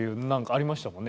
ありましたよね。